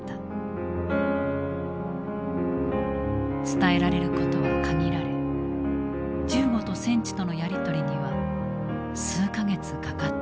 伝えられることは限られ銃後と戦地とのやり取りには数か月かかった。